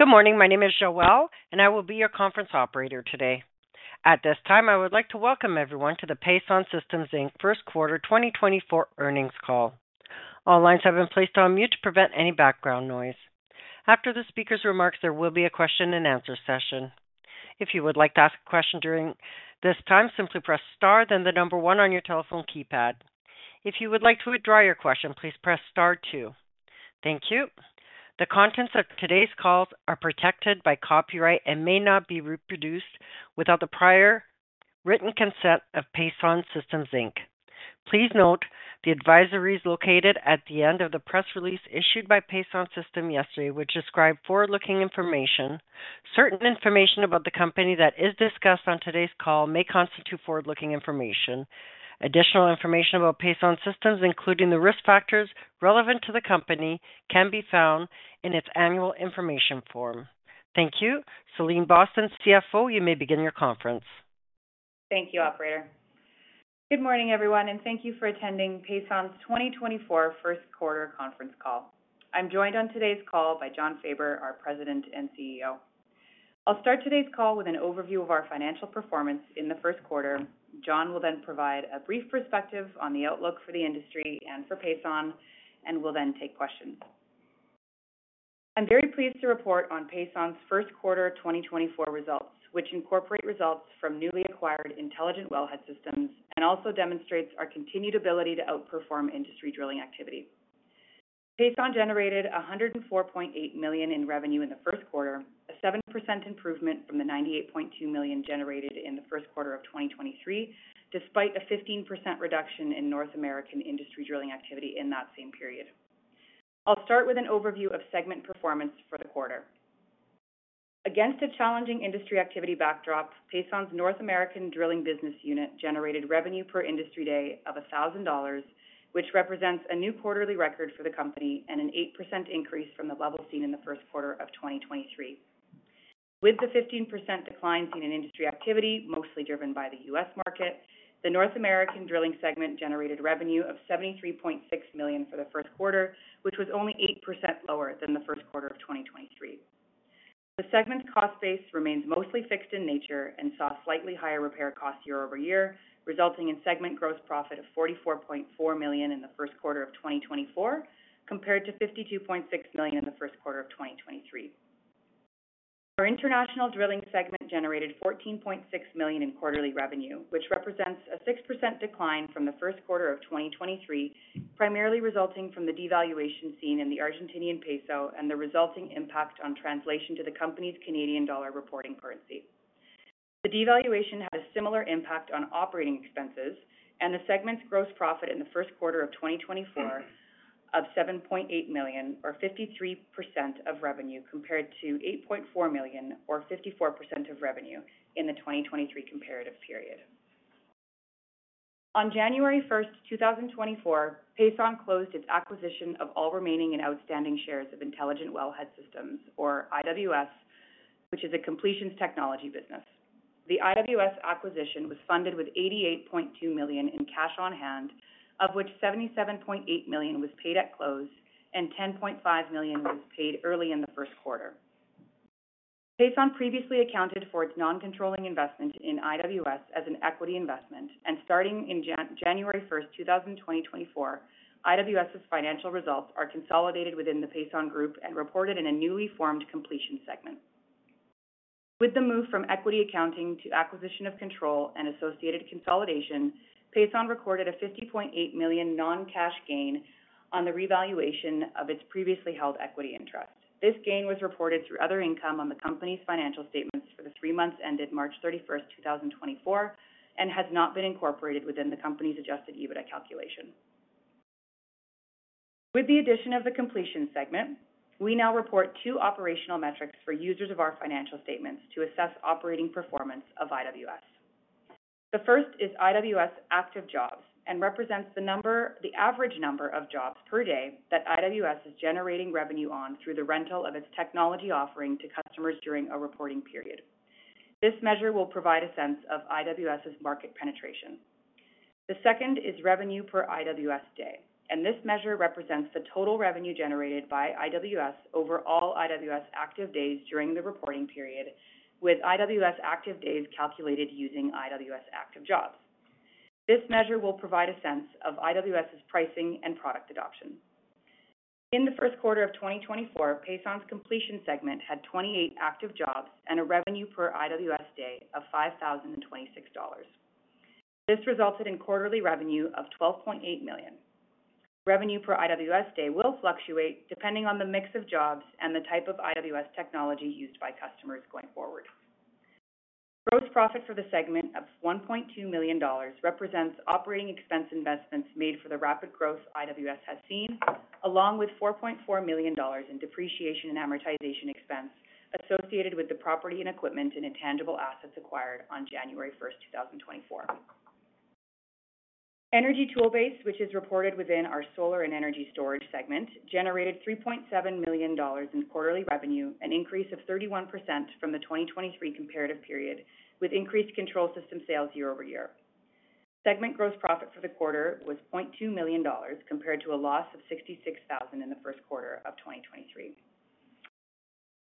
Good morning. My name is Joelle, and I will be your conference operator today. At this time, I would like to welcome everyone to the Pason Systems Inc. first quarter 2024 earnings call. All lines have been placed on mute to prevent any background noise. After the speaker's remarks, there will be a question-and-answer session. If you would like to ask a question during this time, simply press star, then the number one on your telephone keypad. If you would like to withdraw your question, please press star two. Thank you. The contents of today's call are protected by copyright and may not be reproduced without the prior written consent of Pason Systems Inc. Please note, the advisory is located at the end of the press release issued by Pason Systems yesterday, which described forward-looking information. Certain information about the company that is discussed on today's call may constitute forward-looking information. Additional information about Pason Systems, including the risk factors relevant to the company, can be found in its Annual Information Form. Thank you. Celine Boston, CFO, you may begin your conference. Thank you, operator. Good morning, everyone, and thank you for attending Pason's 2024 first quarter conference call. I'm joined on today's call by Jon Faber, our President and CEO. I'll start today's call with an overview of our financial performance in the first quarter. Jon will then provide a brief perspective on the outlook for the industry and for Pason, and we'll then take questions. I'm very pleased to report on Pason's first quarter 2024 results, which incorporate results from newly acquired Intelligent Wellhead Systems and also demonstrates our continued ability to outperform industry drilling activity. Pason generated 104.8 million in revenue in the first quarter, a 7% improvement from the 98.2 million generated in the first quarter of 2023, despite a 15% reduction in North American industry drilling activity in that same period. I'll start with an overview of segment performance for the quarter. Against a challenging industry activity backdrop, Pason's North American drilling business unit generated Revenue per Industry Day of 1,000 dollars, which represents a new quarterly record for the company and an 8% increase from the level seen in the first quarter of 2023. With the 15% decline seen in industry activity, mostly driven by the U.S. market, the North American drilling segment generated revenue of 73.6 million for the first quarter, which was only 8% lower than the first quarter of 2023. The segment's cost base remains mostly fixed in nature and saw slightly higher repair costs year-over-year, resulting in segment gross profit of 44.4 million in the first quarter of 2024, compared to 52.6 million in the first quarter of 2023. Our international drilling segment generated 14.6 million in quarterly revenue, which represents a 6% decline from the first quarter of 2023, primarily resulting from the devaluation seen in the Argentine peso and the resulting impact on translation to the company's Canadian dollar reporting currency. The devaluation had a similar impact on operating expenses and the segment's gross profit in the first quarter of 2024 of 7.8 million, or 53% of revenue, compared to 8.4 million or 54% of revenue in the 2023 comparative period. On January 1, 2024, Pason closed its acquisition of all remaining and outstanding shares of Intelligent Wellhead Systems, or IWS, which is a completions technology business. The IWS acquisition was funded with 88.2 million in cash on hand, of which 77.8 million was paid at close and 10.5 million was paid early in the first quarter. Pason previously accounted for its non-controlling investment in IWS as an equity investment, and starting in January 1, 2024, IWS's financial results are consolidated within the Pason group and reported in a newly formed completion segment. With the move from equity accounting to acquisition of control and associated consolidation, Pason recorded a 50.8 million non-cash gain on the revaluation of its previously held equity interest. This gain was reported through other income on the company's financial statements for the three months ended March 31, 2024 and has not been incorporated within the company's adjusted EBITDA calculation. With the addition of the completion segment, we now report two operational metrics for users of our financial statements to assess operating performance of IWS. The first is IWS Active Jobs and represents the average number of jobs per day that IWS is generating revenue on through the rental of its technology offering to customers during a reporting period. This measure will provide a sense of IWS's market penetration. The second is Revenue per IWS Day, and this measure represents the total revenue generated by IWS over all IWS Active Days during the reporting period, with IWS Active Days calculated using IWS Active Jobs. This measure will provide a sense of IWS's pricing and product adoption. In the first quarter of 2024, Pason's completion segment had 28 active jobs and a Revenue per IWS Day of $5,026. This resulted in quarterly revenue of CAD 12.8 million. Revenue per IWS Day will fluctuate depending on the mix of jobs and the type of IWS technology used by customers going forward. Gross profit for the segment of 1.2 million dollars represents operating expense investments made for the rapid growth IWS has seen, along with 4.4 million dollars in depreciation and amortization expense associated with the property and equipment and intangible assets acquired on January 1, 2024. Energy Toolbase, which is reported within our solar and energy storage segment, generated 3.7 million dollars in quarterly revenue, an increase of 31% from the 2023 comparative period, with increased control system sales year-over-year. Segment gross profit for the quarter was 0.2 million dollars, compared to a loss of 66,000 in the first quarter of 2023.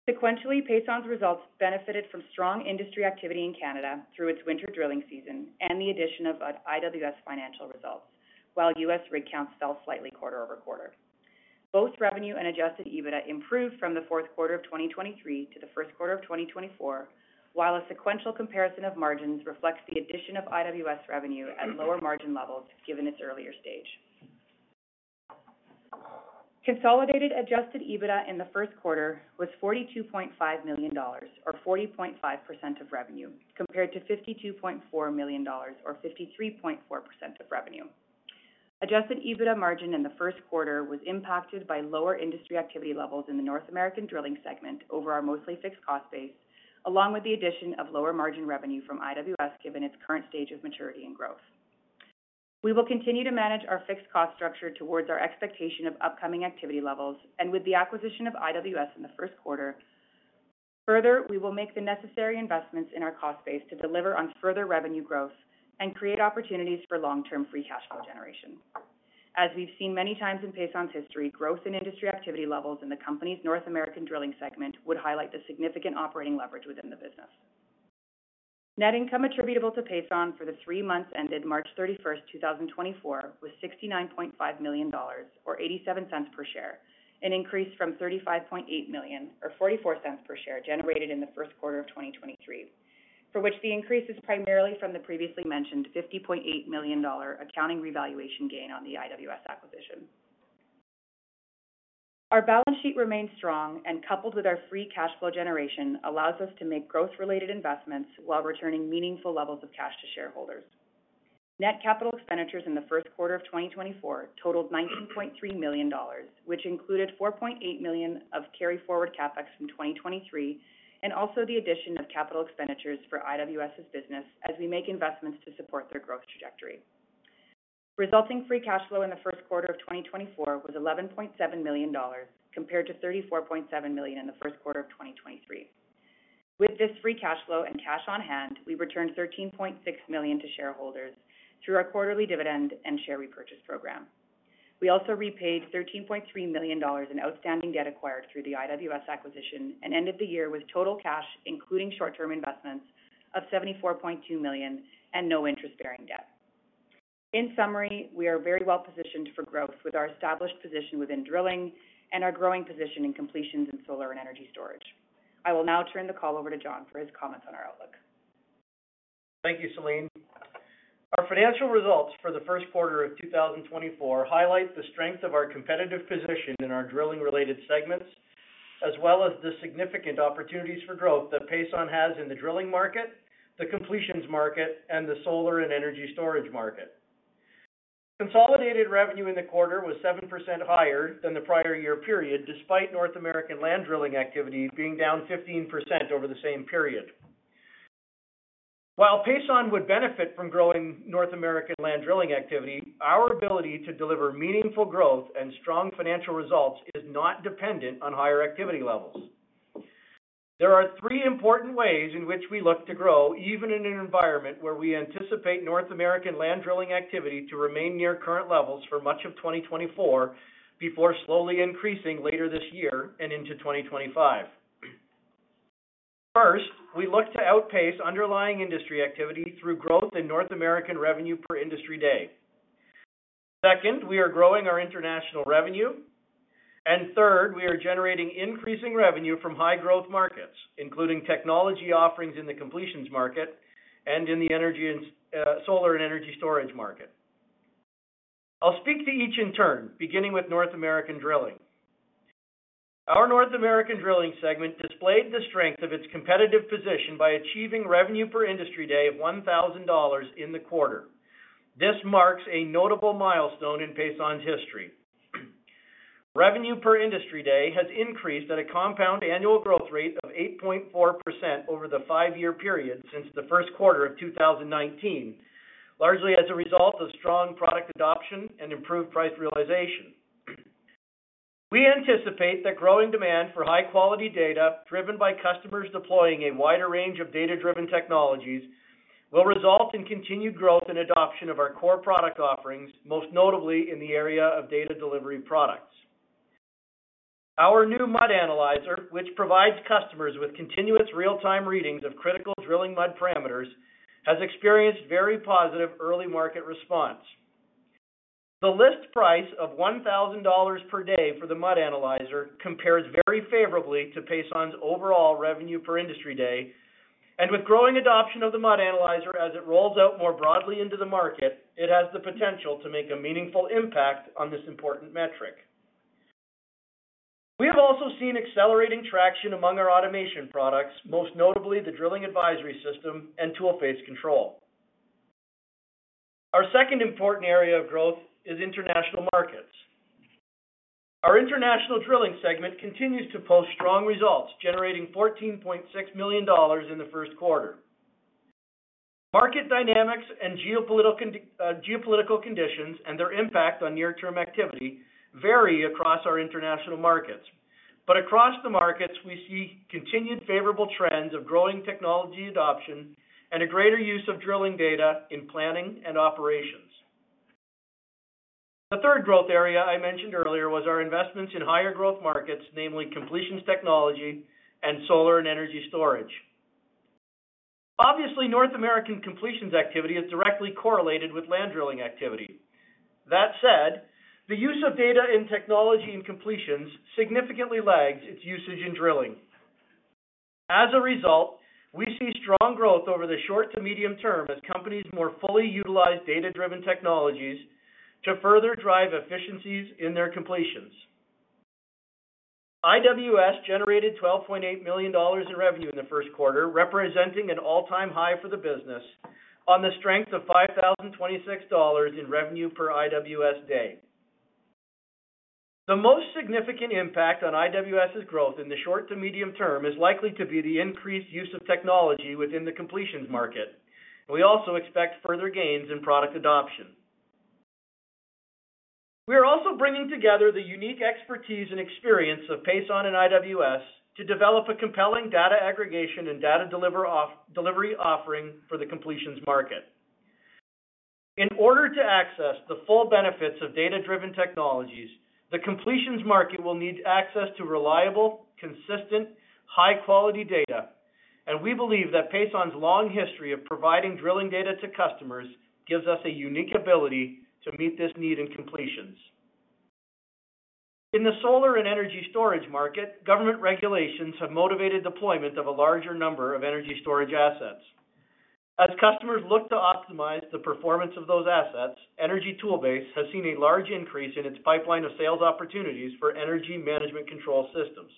Sequentially, Pason's results benefited from strong industry activity in Canada through its winter drilling season and the addition of IWS financial results, while U.S. rig counts fell slightly quarter-over-quarter. Both revenue and Adjusted EBITDA improved from the fourth quarter of 2023 to the first quarter of 2024, while a sequential comparison of margins reflects the addition of IWS revenue at lower margin levels, given its earlier stage. Consolidated Adjusted EBITDA in the first quarter was 42.5 million dollars, or 40.5% of revenue, compared to 52.4 million dollars, or 53.4% of revenue. Adjusted EBITDA margin in the first quarter was impacted by lower industry activity levels in the North American drilling segment over our mostly fixed cost base, along with the addition of lower margin revenue from IWS, given its current stage of maturity and growth. We will continue to manage our fixed cost structure towards our expectation of upcoming activity levels and with the acquisition of IWS in the first quarter. Further, we will make the necessary investments in our cost base to deliver on further revenue growth and create opportunities for long-term free cash flow generation. As we've seen many times in Pason's history, growth in industry activity levels in the company's North American drilling segment would highlight the significant operating leverage within the business. Net income attributable to Pason for the three months ended March 31st, 2024, was 69.5 million dollars, or 0.87 per share, an increase from 35.8 million or 0.44 per share generated in the first quarter of 2023, for which the increase is primarily from the previously mentioned 50.8 million dollar accounting revaluation gain on the IWS acquisition. Our balance sheet remains strong and, coupled with our free cash flow generation, allows us to make growth-related investments while returning meaningful levels of cash to shareholders. Net capital expenditures in the first quarter of 2024 totaled 19.3 million dollars, which included 4.8 million of carry forward CapEx from 2023, and also the addition of capital expenditures for IWS's business as we make investments to support their growth trajectory. Resulting free cash flow in the first quarter of 2024 was 11.7 million dollars, compared to 34.7 million in the first quarter of 2023. With this free cash flow and cash on hand, we returned 13.6 million to shareholders through our quarterly dividend and share repurchase program. We also repaid 13.3 million dollars in outstanding debt acquired through the IWS acquisition and ended the year with total cash, including short-term investments, of 74.2 million and no interest-bearing debt. In summary, we are very well-positioned for growth with our established position within drilling and our growing position in completions in solar and energy storage. I will now turn the call over to Jon for his comments on our outlook. Thank you, Celine. Our financial results for the first quarter of 2024 highlight the strength of our competitive position in our drilling-related segments, as well as the significant opportunities for growth that Pason has in the drilling market, the completions market, and the solar and energy storage market. Consolidated revenue in the quarter was 7% higher than the prior year period, despite North American land drilling activity being down 15% over the same period. While Pason would benefit from growing North American land drilling activity, our ability to deliver meaningful growth and strong financial results is not dependent on higher activity levels. There are three important ways in which we look to grow, even in an environment where we anticipate North American land drilling activity to remain near current levels for much of 2024, before slowly increasing later this year and into 2025. First, we look to outpace underlying industry activity through growth in North American Revenue per Industry Day. Second, we are growing our international revenue. Third, we are generating increasing revenue from high-growth markets, including technology offerings in the completions market and in the energy and solar and energy storage market. I'll speak to each in turn, beginning with North American drilling. Our North American drilling segment displayed the strength of its competitive position by achieving Revenue per Industry Day of $1,000 in the quarter. This marks a notable milestone in Pason's history. Revenue per Industry Day has increased at a compound annual growth rate of 8.4% over the five-year period since the first quarter of 2019, largely as a result of strong product adoption and improved price realization. We anticipate that growing demand for high-quality data, driven by customers deploying a wider range of data-driven technologies, will result in continued growth and adoption of our core product offerings, most notably in the area of data delivery products. Our new Mud Analyzer, which provides customers with continuous real-time readings of critical drilling mud parameters, has experienced very positive early market response. The list price of $1,000 per day for the Mud Analyzer compares very favorably to Pason's overall Revenue per Industry Day, and with growing adoption of the Mud Analyzer as it rolls out more broadly into the market, it has the potential to make a meaningful impact on this important metric. We have also seen accelerating traction among our automation products, most notably the Drilling Advisory System and Toolface Control. Our second important area of growth is international markets. Our international drilling segment continues to post strong results, generating $14.6 million in the first quarter. Market dynamics and geopolitical conditions and their impact on near-term activity vary across our international markets but across the markets, we see continued favorable trends of growing technology adoption and a greater use of drilling data in planning and operations. The third growth area I mentioned earlier was our investments in higher growth markets, namely completions technology and solar and energy storage. Obviously, North American completions activity is directly correlated with land drilling activity. That said, the use of data in technology and completions significantly lags its usage in drilling. As a result, we see strong growth over the short to medium term as companies more fully utilize data-driven technologies to further drive efficiencies in their completions. IWS generated $12.8 million in revenue in the first quarter, representing an all-time high for the business on the strength of $5,026 in Revenue per IWS Day. The most significant impact on IWS's growth in the short to medium term is likely to be the increased use of technology within the completions market. We also expect further gains in product adoption. We are also bringing together the unique expertise and experience of Pason and IWS to develop a compelling data aggregation and data delivery offering for the completions market. In order to access the full benefits of data-driven technologies, the completions market will need access to reliable, consistent, high-quality data, and we believe that Pason's long history of providing drilling data to customers gives us a unique ability to meet this need in completions. In the solar and energy storage market, government regulations have motivated deployment of a larger number of energy storage assets. As customers look to optimize the performance of those assets, Energy Toolbase has seen a large increase in its pipeline of sales opportunities for energy management control systems.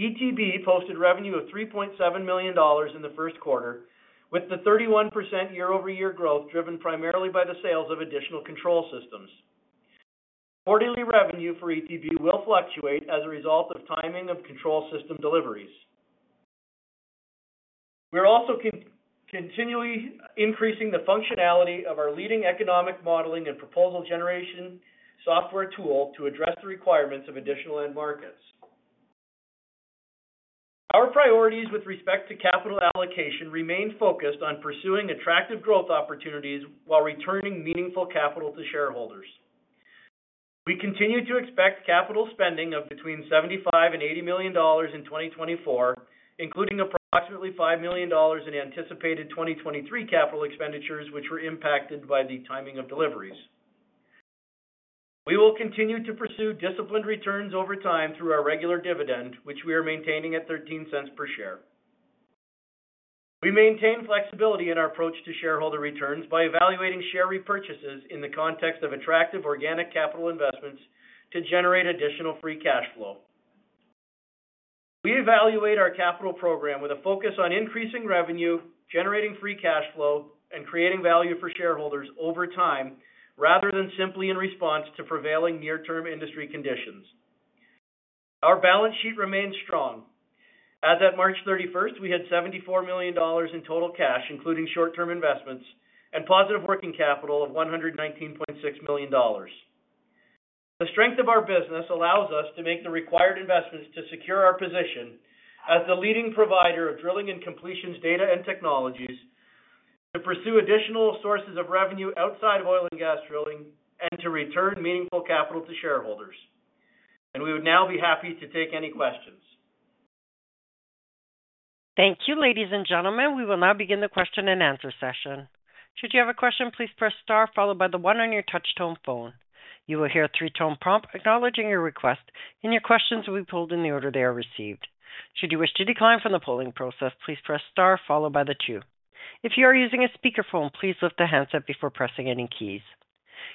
ETB posted revenue of $3.7 million in the first quarter, with the 31% year-over-year growth driven primarily by the sales of additional control systems. Quarterly revenue for ETB will fluctuate as a result of timing of control system deliveries. We're also continually increasing the functionality of our leading economic modeling and proposal generation software tool to address the requirements of additional end markets. Our priorities with respect to capital allocation remain focused on pursuing attractive growth opportunities while returning meaningful capital to shareholders. We continue to expect capital spending of between 75 million and 80 million dollars in 2024, including approximately 5 million dollars in anticipated 2023 capital expenditures, which were impacted by the timing of deliveries. We will continue to pursue disciplined returns over time through our regular dividend, which we are maintaining at 0.13 per share. We maintain flexibility in our approach to shareholder returns by evaluating share repurchases in the context of attractive organic capital investments to generate additional free cash flow. We evaluate our capital program with a focus on increasing revenue, generating free cash flow, and creating value for shareholders over time, rather than simply in response to prevailing near-term industry conditions. Our balance sheet remains strong. As of March 31st, we had 74 million dollars in total cash, including short-term investments, and positive working capital of 119.6 million dollars. The strength of our business allows us to make the required investments to secure our position as the leading provider of drilling and completions data and technologies, to pursue additional sources of revenue outside of oil and gas drilling, and to return meaningful capital to shareholders. We would now be happy to take any questions. Thank you, ladies and gentlemen. We will now begin the question-and-answer session. Should you have a question, please press star followed by one on your touch-tone phone. You will hear a three-tone prompt acknowledging your request, and your questions will be pulled in the order they are received. Should you wish to decline from the polling process, please press star followed by two. If you are using a speakerphone, please lift the handset before pressing any keys.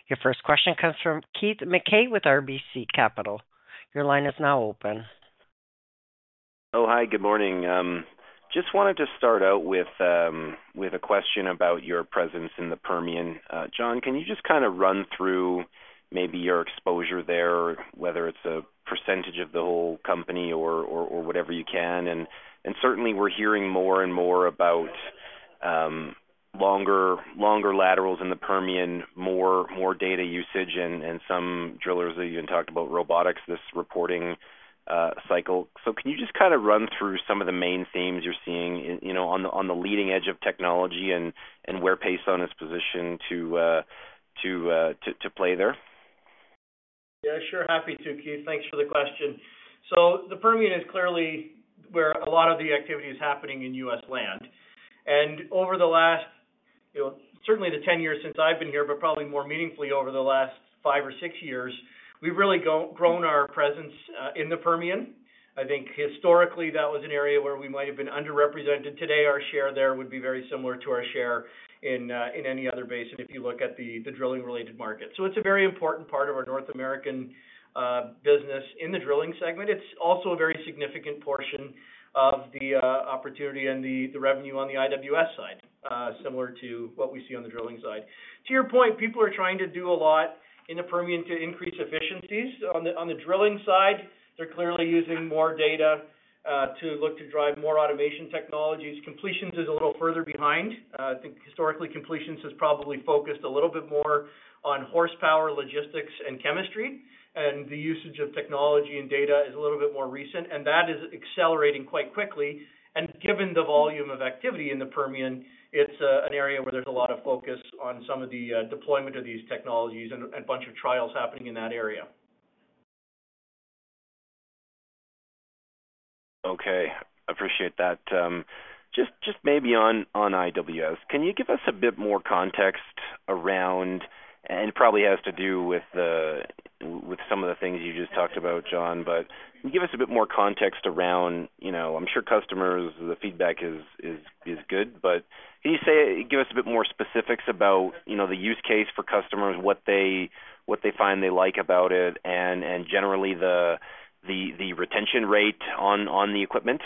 Your first question comes from Keith Mackey with RBC Capital. Your line is now open. Oh, hi, good morning. Just wanted to start out with a question about your presence in the Permian. Jon, can you just kinda run through maybe your exposure there, whether it's a percentage of the whole company or whatever you can? Certainly, we're hearing more and more about longer laterals in the Permian, more data usage, and some drillers have even talked about robotics this reporting cycle. So can you just kinda run through some of the main themes you're seeing in, you know, on the leading edge of technology and where Pason is positioned to play there? Yeah, sure. Happy to, Keith. Thanks for the question. So the Permian is clearly where a lot of the activity is happening in U.S. land. Over the last, you know, certainly the 10 years since I've been here, but probably more meaningfully over the last five or six years, we've really grown our presence in the Permian. I think historically, that was an area where we might have been underrepresented. Today, our share there would be very similar to our share in any other basin, if you look at the drilling-related market. So it's a very important part of our North American business in the drilling segment. It's also a very significant portion of the opportunity and the revenue on the IWS side, similar to what we see on the drilling side. To your point, people are trying to do a lot in the Permian to increase efficiencies. On the drilling side, they're clearly using more data to look to drive more automation technologies. Completions is a little further behind. I think historically, completions has probably focused a little bit more on horsepower, logistics, and chemistry, and the usage of technology and data is a little bit more recent. That is accelerating quite quickly. Given the volume of activity in the Permian, it's an area where there's a lot of focus on some of the deployment of these technologies and a bunch of trials happening in that area. Okay, appreciate that. Just maybe on IWS. Can you give us a bit more context around, and it probably has to do with some of the things you just talked about, Jon, but can you give us a bit more context around, you know, I'm sure customers, the feedback is good, but can you give us a bit more specifics about, you know, the use case for customers, what they find they like about it, and generally the retention rate on the equipment?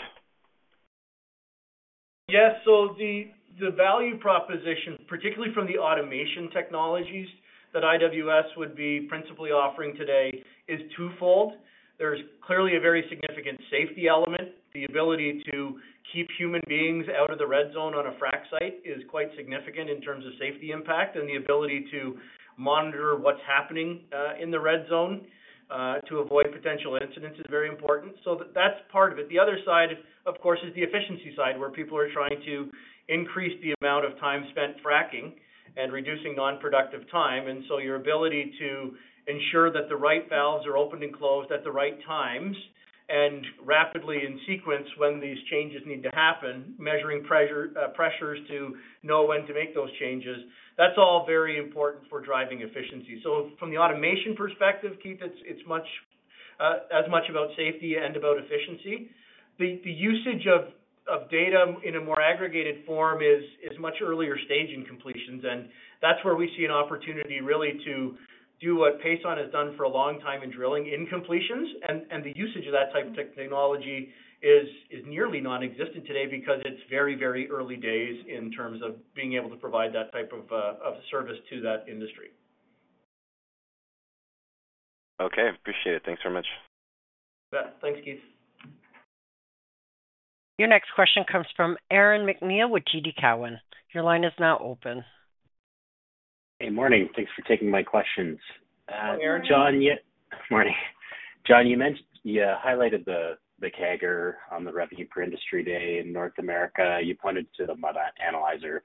Yes. So the value proposition, particularly from the automation technologies that IWS would be principally offering today, is twofold. There's clearly a very significant safety element. The ability to keep human beings out of the red zone on a frac site is quite significant in terms of safety impact and the ability to monitor what's happening in the red zone to avoid potential incidents is very important. So that's part of it. The other side, of course, is the efficiency side, where people are trying to increase the amount of time spent fracing and reducing non-productive time. So your ability to ensure that the right valves are opened and closed at the right times, and rapidly in sequence when these changes need to happen, measuring pressure, pressures to know when to make those changes, that's all very important for driving efficiency. So from the automation perspective, Keith, it's as much about safety and about efficiency. The usage of data in a more aggregated form is much earlier stage in completions, and that's where we see an opportunity really to do what Pason has done for a long time in drilling, in completions and the usage of that type of technology is nearly nonexistent today because it's very, very early days in terms of being able to provide that type of service to that industry. Okay, appreciate it. Thanks very much. Yeah. Thanks, Keith. Your next question comes from Aaron MacNeil with TD Cowen. Your line is now open. Hey, morning. Thanks for taking my questions. Hi, Aaron. Morning, Jon. You mentioned you highlighted the CAGR on the Revenue per Industry Day in North America. You pointed to the Mud Analyzer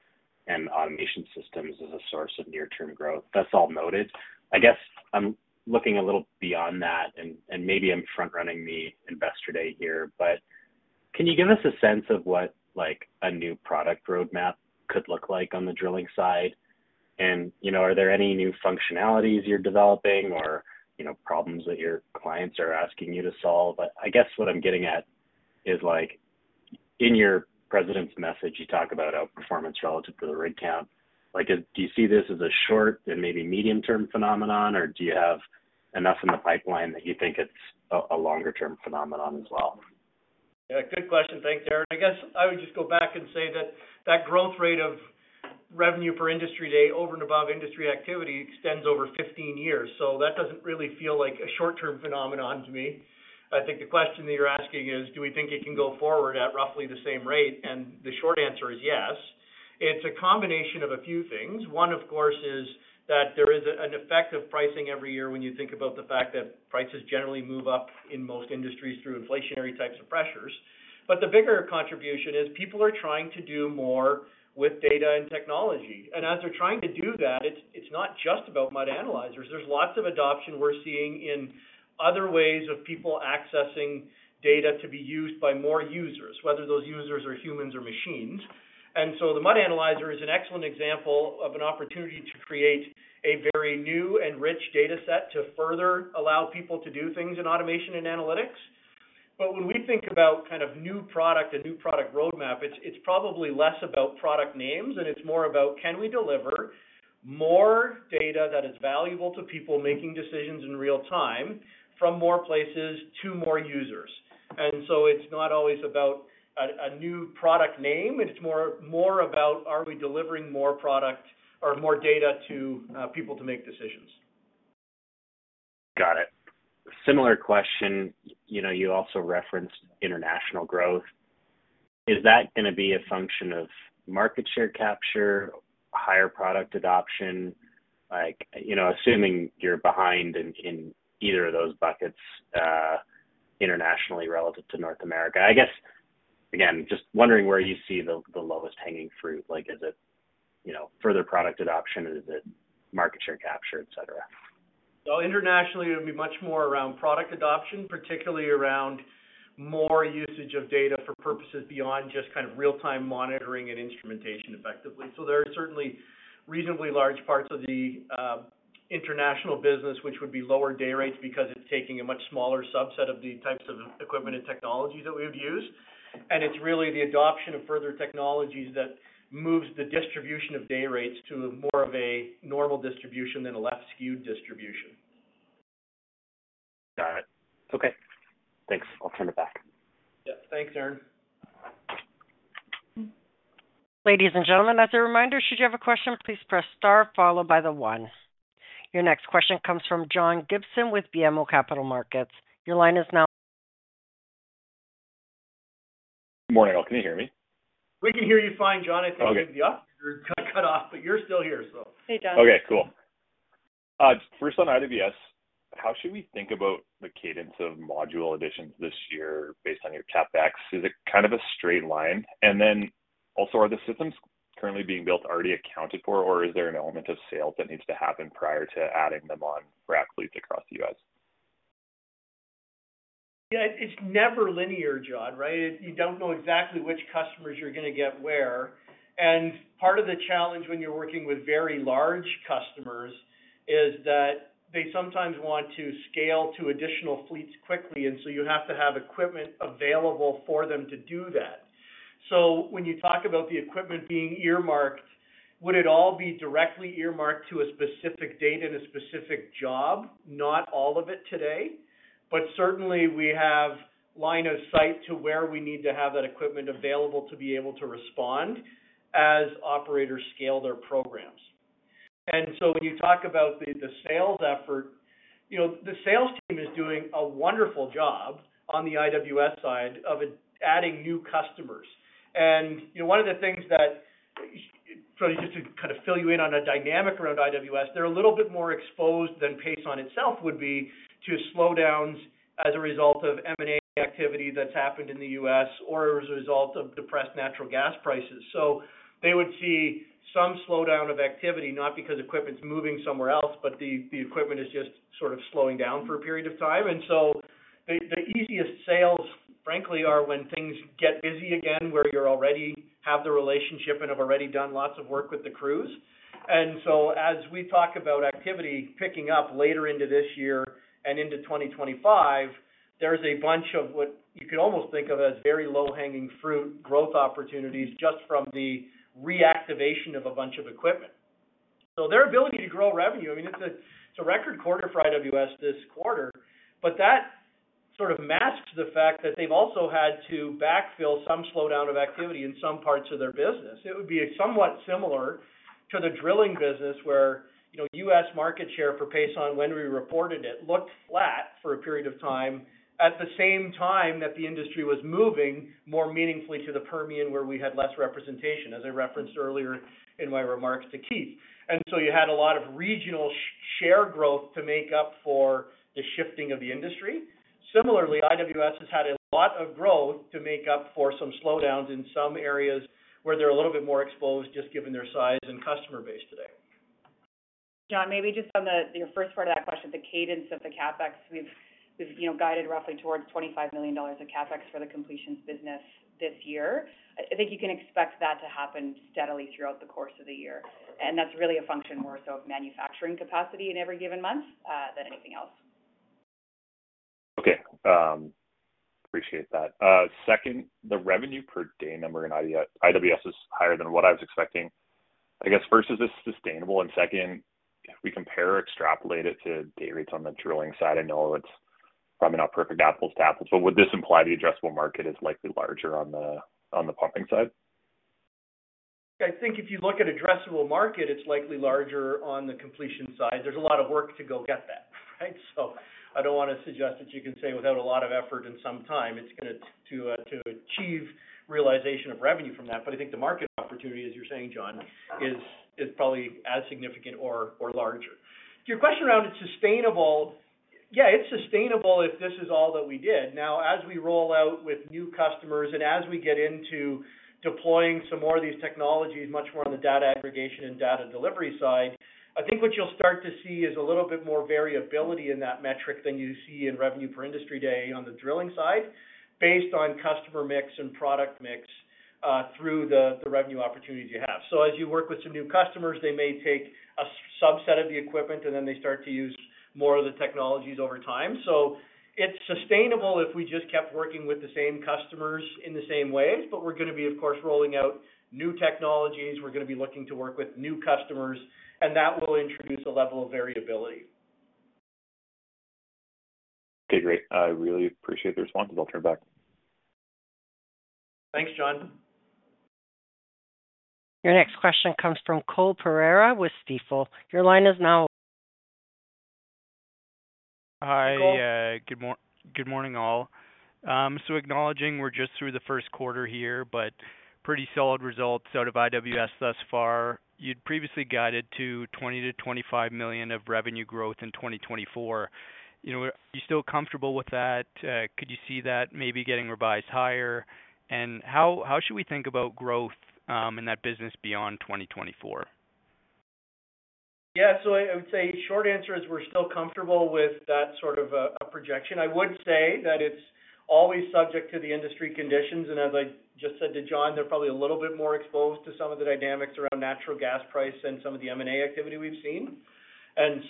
and automation systems as a source of near-term growth. That's all noted. I guess I'm looking a little beyond that, and maybe I'm front-running the Investor Day here, but can you give us a sense of what, like, a new product roadmap could look like on the drilling side? You know, are there any new functionalities you're developing or, you know, problems that your clients are asking you to solve? But I guess what I'm getting at is, like, in your president's message, you talk about outperformance relative to the rig count. Like, do you see this as a short and maybe medium-term phenomenon, or do you have enough in the pipeline that you think it's a longer-term phenomenon as well? Yeah, good question. Thanks, Aaron. I guess I would just go back and say that that growth rate of Revenue per Industry Day over and above industry activity extends over 15 years, so that doesn't really feel like a short-term phenomenon to me. I think the question that you're asking is, do we think it can go forward at roughly the same rate? The short answer is yes. It's a combination of a few things. One, of course, is that there is an effect of pricing every year when you think about the fact that prices generally move up in most industries through inflationary types of pressures. But the bigger contribution is people are trying to do more with data and technology. As they're trying to do that, it's, it's not just about mud analyzers. There's lots of adoption we're seeing in other ways of people accessing data to be used by more users, whether those users are humans or machines. So the Mud Analyzer is an excellent example of an opportunity to create a very new and rich data set to further allow people to do things in automation and analytics. But when we think about kind of new product and new product roadmap, it's probably less about product names, and it's more about can we deliver more data that is valuable to people making decisions in real time from more places to more users? So it's not always about a new product name, it's more about are we delivering more product or more data to people to make decisions. Got it. Similar question. You know, you also referenced international growth. Is that gonna be a function of market share capture, higher product adoption? Like, you know, assuming you're behind in, in either of those buckets, internationally relative to North America. I guess, again, just wondering where you see the, the lowest hanging fruit. Like, is it, you know, further product adoption? Is it market share capture, et cetera? So internationally, it would be much more around product adoption, particularly around more usage of data for purposes beyond just kind of real-time monitoring and instrumentation effectively. So there are certainly reasonably large parts of the international business, which would be lower day rates because it's taking a much smaller subset of the types of equipment and technology that we would use and it's really the adoption of further technologies that moves the distribution of day rates to more of a normal distribution than a left-skewed distribution. Got it. Okay, thanks. I'll turn it back. Yeah. Thanks, Aaron. Ladies and gentlemen, as a reminder, should you have a question, please press star followed by the one. Your next question comes from John Gibson with BMO Capital Markets. Your line is now- Good morning, all. Can you hear me? We can hear you fine, John. Okay. I think, yeah, you're kind of cut off, but you're still here, so. Hey, John. Okay, cool. First on IWS, how should we think about the cadence of module additions this year based on your CapEx? Is it kind of a straight line? Then also, are the systems currently being built already accounted for, or is there an element of sales that needs to happen prior to adding them on rack fleets across the U.S.? Yeah, it's never linear, John, right? You don't know exactly which customers you're gonna get where and part of the challenge when you're working with very large customers is that they sometimes want to scale to additional fleets quickly, and so you have to have equipment available for them to do that. So when you talk about the equipment being earmarked, would it all be directly earmarked to a specific date and a specific job? Not all of it today, but certainly we have line of sight to where we need to have that equipment available to be able to respond as operators scale their programs. So when you talk about the sales effort, you know, the sales team is doing a wonderful job on the IWS side of adding new customers. You know, one of the things that, so just to kind of fill you in on a dynamic around IWS, they're a little bit more exposed than Pason itself would be to slowdowns as a result of M&A activity that's happened in the U.S. or as a result of depressed natural gas prices. So they would see some slowdown of activity, not because equipment's moving somewhere else, but the equipment is just sort of slowing down for a period of time. So the easiest sales, frankly, are when things get busy again, where you're already have the relationship and have already done lots of work with the crews. So as we talk about activity picking up later into this year and into 2025, there's a bunch of what you could almost think of as very low-hanging fruit growth opportunities just from the reactivation of a bunch of equipment. So their ability to grow revenue, I mean, it's a, it's a record quarter for IWS this quarter, but that sort of masks the fact that they've also had to backfill some slowdown of activity in some parts of their business. It would be somewhat similar to the drilling business, where, you know, U.S. market share for Pason, when we reported it, looked flat for a period of time, at the same time that the industry was moving more meaningfully to the Permian, where we had less representation, as I referenced earlier in my remarks to Keith. So you had a lot of regional share growth to make up for the shifting of the industry. Similarly, IWS has had a lot of growth to make up for some slowdowns in some areas where they're a little bit more exposed, just given their size and customer base today. John, maybe just on your first part of that question, the cadence of the CapEx, we've you know, guided roughly towards 25 million dollars of CapEx for the completions business this year. I think you can expect that to happen steadily throughout the course of the year, and that's really a function more so of manufacturing capacity in every given month than anything else. Okay. Appreciate that. Second, the revenue per day number in IWS is higher than what I was expecting. I guess, first, is this sustainable? Second, if we compare or extrapolate it to day rates on the drilling side, I know it's probably not perfect apples to apples, but would this imply the addressable market is likely larger on the, on the pumping side? I think if you look at addressable market, it's likely larger on the completion side. There's a lot of work to go get that, right? So I don't want to suggest that you can say without a lot of effort and some time it's gonna take to achieve realization of revenue from that. But I think the market opportunity, as you're saying, John, is probably as significant or larger. To your question around, it's sustainable, yeah, it's sustainable if this is all that we did. Now, as we roll out with new customers and as we get into deploying some more of these technologies, much more on the data aggregation and data delivery side, I think what you'll start to see is a little bit more variability in that metric than you see in Revenue per Industry Day on the drilling side, based on customer mix and product mix, through the revenue opportunities you have. So as you work with some new customers, they may take a subset of the equipment, and then they start to use more of the technologies over time. So it's sustainable if we just kept working with the same customers in the same ways, but we're gonna be, of course, rolling out new technologies. We're gonna be looking to work with new customers, and that will introduce a level of variability. Okay, great. I really appreciate the responses. I'll turn back. Thanks, John. Your next question comes from Cole Pereira with Stifel. Your line is now... Cole. Hi, good morning, all. So acknowledging we're just through the first quarter here, but pretty solid results out of IWS thus far. You'd previously guided to 20 million-25 million of revenue growth in 2024. You know, are you still comfortable with that? Could you see that maybe getting revised higher and how should we think about growth in that business beyond 2024? Yeah, so I, I would say short answer is we're still comfortable with that sort of a, a projection. I would say that it's always subject to the industry conditions, and as I just said to John, they're probably a little bit more exposed to some of the dynamics around natural gas price and some of the M&A activity we've seen.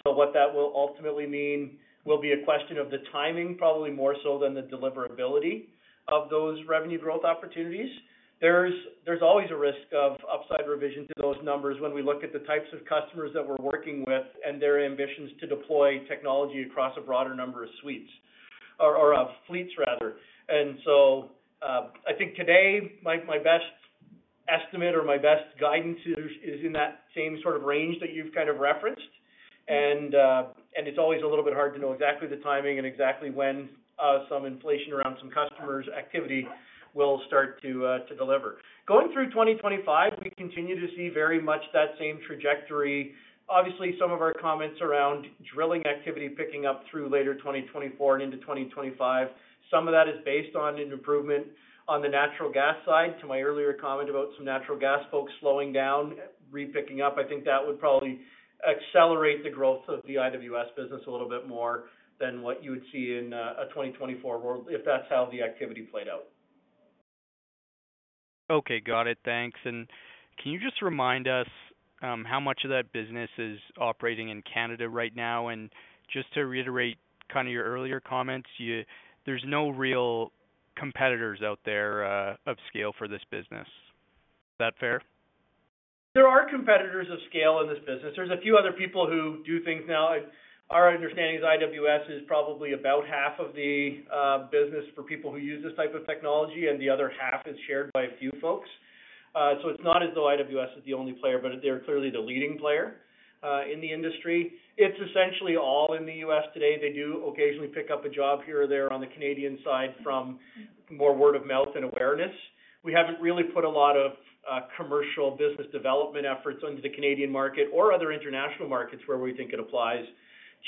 So what that will ultimately mean will be a question of the timing, probably more so than the deliverability of those revenue growth opportunities. There's always a risk of upside revision to those numbers when we look at the types of customers that we're working with and their ambitions to deploy technology across a broader number of suites, or fleets rather. So I think today, my best estimate or my best guidance is, is in that same sort of range that you've kind of referenced, and it's always a little bit hard to know exactly the timing and exactly when, some inflation around some customers' activity will start to, to deliver. Going through 2025, we continue to see very much that same trajectory. Obviously, some of our comments around drilling activity picking up through later 2024 and into 2025. Some of that is based on an improvement on the natural gas side. To my earlier comment about some natural gas folks slowing down, repicking up, I think that would probably accelerate the growth of the IWS business a little bit more than what you would see in, a 2024, where if that's how the activity played out. Okay, got it. Thanks. Can you just remind us how much of that business is operating in Canada right now? Just to reiterate kind of your earlier comments, you there's no real competitors out there of scale for this business. Is that fair? There are competitors of scale in this business. There's a few other people who do things now. Our understanding is IWS is probably about half of the business for people who use this type of technology, and the other half is shared by a few folks. So it's not as though IWS is the only player, but they're clearly the leading player in the industry. It's essentially all in the U.S. today. They do occasionally pick up a job here or there on the Canadian side from more word of mouth and awareness. We haven't really put a lot of commercial business development efforts into the Canadian market or other international markets where we think it applies,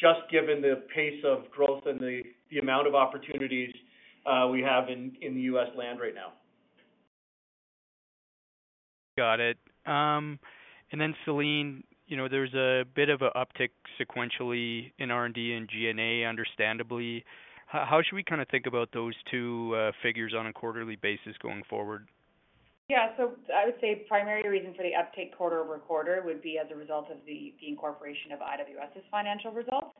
just given the pace of growth and the amount of opportunities we have in the U.S. land right now. Got it. Then, Celine, you know, there's a bit of a uptick sequentially in R&D and G&A, understandably. How should we kinda think about those two figures on a quarterly basis going forward? Yeah. So I would say the primary reason for the uptake quarter-over-quarter would be as a result of the incorporation of IWS's financial results.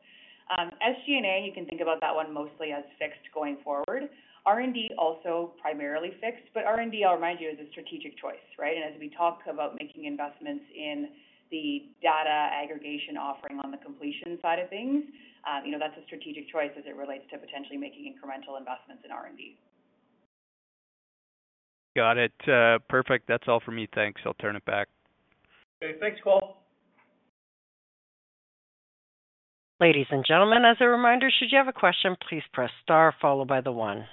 As G&A, you can think about that one mostly as fixed going forward. R&D, also primarily fixed, but R&D, I'll remind you, is a strategic choice, right? As we talk about making investments in the data aggregation offering on the completion side of things, you know, that's a strategic choice as it relates to potentially making incremental investments in R&D. Got it. Perfect. That's all for me. Thanks. I'll turn it back. Okay. Thanks, Cole. Ladies and gentlemen, as a reminder, should you have a question, please press star followed by the one.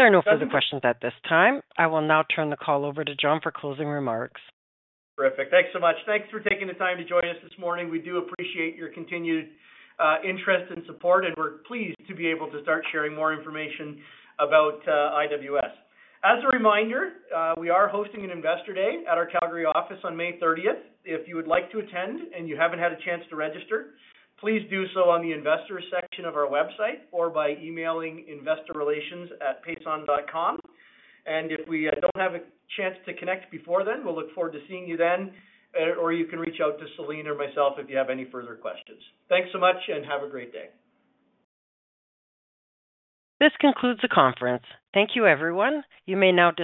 There are no further questions at this time. I will now turn the call over to Jon for closing remarks. Terrific. Thanks so much. Thanks for taking the time to join us this morning. We do appreciate your continued interest and support, and we're pleased to be able to start sharing more information about IWS. As a reminder, we are hosting an Investor Day at our Calgary office on May 30th. If you would like to attend and you haven't had a chance to register, please do so on the Investors section of our website or by emailing investorrelations@pason.com, and if we don't have a chance to connect before then, we'll look forward to seeing you then or you can reach out to Celine or myself if you have any further questions. Thanks so much, and have a great day. This concludes the conference. Thank you, everyone. You may now disconnect.